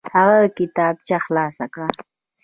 هغه کتابچه خلاصه کړه.